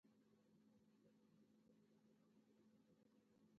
هغه د څو تنو تیلیفونونو یادونه هم لیکوال ته وکړه.